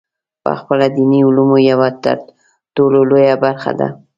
پخپله د دیني علومو یوه ترټولو لویه برخه ده.